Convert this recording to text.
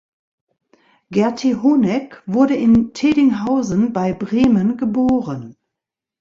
Gertie Honeck wurde in Thedinghausen bei Bremen geboren.